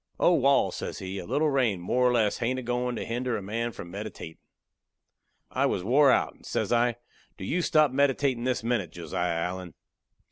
"Oh, wal," says he, "a little rain, more or less, hain't a goin' to hender a man from meditatin'." I was wore out, and says I, "Do you stop meditatin' this minute, Josiah Allen!"